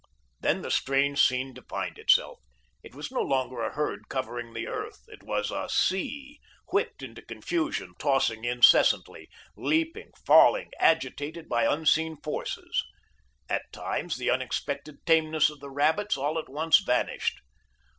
Then the strange scene defined itself. It was no longer a herd covering the earth. It was a sea, whipped into confusion, tossing incessantly, leaping, falling, agitated by unseen forces. At times the unexpected tameness of the rabbits all at once vanished.